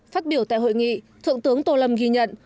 phát biểu tại hội nghị thượng tướng tô lâm ghi nhận